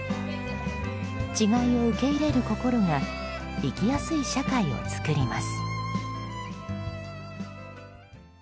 違いを受け入れる心が生きやすい社会を作ります。